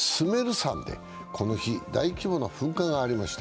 山でこの日、大規模な噴火がありました。